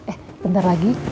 eh bentar lagi